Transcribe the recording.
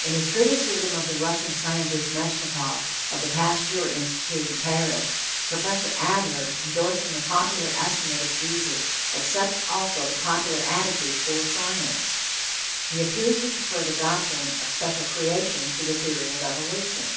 In his criticism of the Russian scientist, Metchnikoff, of the Pasteur Institute in Paris, Prof. Adler, endorsing the popular estimate of Jesus, accepts also the popular attitude toward science. He appears to prefer the doctrine of special creation to the theory of evolution.